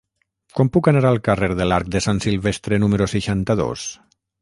Com puc anar al carrer de l'Arc de Sant Silvestre número seixanta-dos?